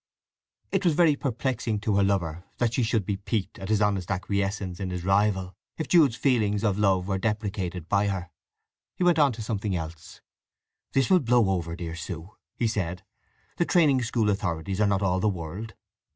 It was very perplexing to her lover that she should be piqued at his honest acquiescence in his rival, if Jude's feelings of love were deprecated by her. He went on to something else. "This will blow over, dear Sue," he said. "The training school authorities are not all the world.